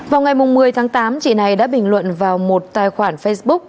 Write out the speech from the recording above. vào ngày một mươi tháng tám chị này đã bình luận vào một tài khoản facebook